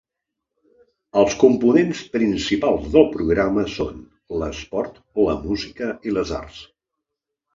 Els components principals del programa són l'esport, la música i les arts.